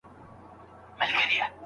سترګو چي مي ستا لاري څارلې اوس یې نه لرم